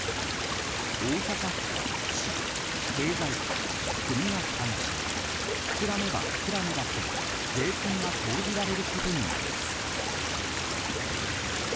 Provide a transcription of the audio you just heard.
大阪府と市、経済界、国が負担し膨らめば膨らむだけ、税金が投じられることになります。